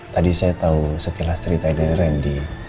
tadi saya tau sekilas ceritain dari randy